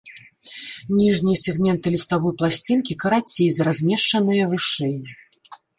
Ніжнія сегменты ліставой пласцінкі карацей за размешчаныя вышэй.